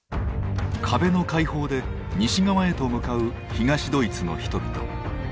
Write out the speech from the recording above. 壁の開放で西側へと向かう東ドイツの人々。